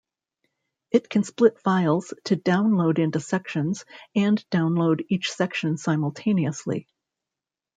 It can split files to download into sections, and download each section simultaneously.